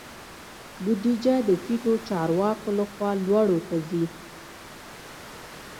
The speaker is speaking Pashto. بودیجه د ټیټو چارواکو لخوا لوړو ته ځي.